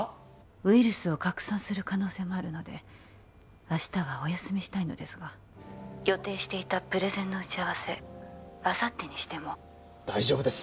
ウイルスを拡散する可能性もあるので明日はお休みしたいのですが☎予定していたプレゼンの打ち合わせあさってにしても大丈夫です